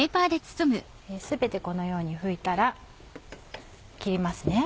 全てこのように拭いたら切りますね。